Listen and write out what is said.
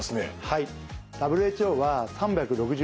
はい。